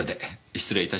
失礼いたします。